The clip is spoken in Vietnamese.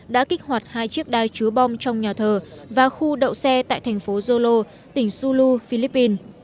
đã kích hoạt hai chiếc đai chứa bom trong nhà thờ và khu đậu xe tại thành phố yolo tỉnh sulu philippines